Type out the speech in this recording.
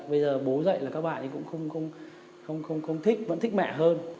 bây giờ bố dạy là các bạn thì cũng không thích vẫn thích mẹ hơn